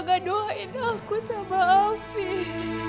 mama doain aku sama afim